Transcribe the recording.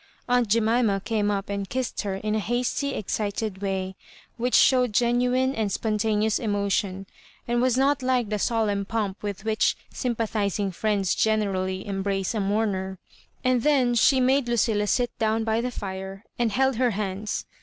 Aunt Jemima came up and kissed her in a hasty excited way, which showed genu ine and spontaneous emotion, and was not like the solemn pomp with which sympathising friends generally embrace a mourner; and then she made Lucilla sit down by the fire and held her hands.